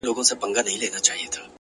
بم دی ټوپکوال ولاړ دي’